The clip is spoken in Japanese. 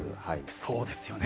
そうですよね。